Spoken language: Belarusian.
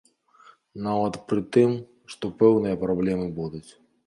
Нават пры тым, што пэўныя праблемы будуць.